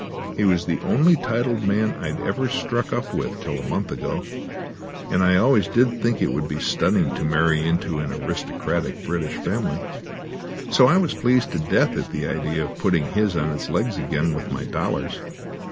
He was the only titled man I'd ever struck up till a month ago, and I always did think it would be stunning to marry into an aristocratic British family, so I was pleased to death at the idea of putting his on its legs again with my dollars.